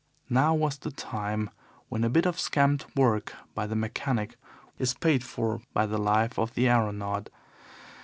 Now was the time when a bit of scamped work by the mechanic is paid for by the life of the aeronaut.